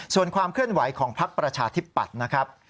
ส่วนความเคลื่อนไหวของพักประชาธิปัตย์นะครับ